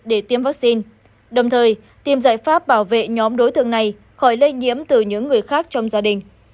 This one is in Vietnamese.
để tiêm vaccine đồng thời tìm giải pháp bảo vệ nhóm đối tượng này khỏi lây nhiễm từ những người khác trong gia đình